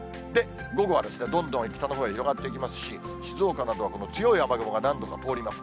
午後はどんどん北のほうへ広がっていきますし、静岡などは強い雨雲が何度か通ります。